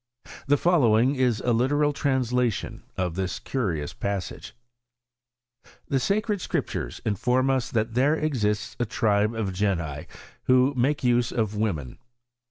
The following is a literal translation of this curious passage :" The sacred Scriptures inform us that there exists a tribe of genii, who make use of women.